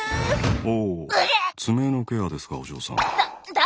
ほぉ爪のケアですかお嬢さん。